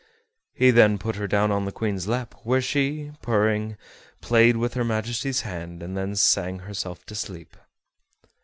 He then put her down on the Queen's lap, where she, purring, played with her Majesty's hand, and then sang herself to sleep.